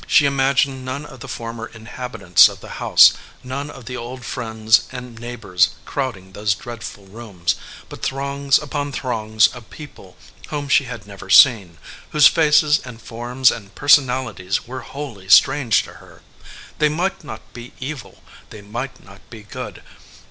She imagined none of the former in habitants of the house, none of the old friends and 17 EDGEWATER PEOPLE neighbors crowding those dreadful rooms, but throngs upon throngs of people whom she had never seen, whose faces and forms and personali ties were wholly strange to her. They might not be evil, they might not be good.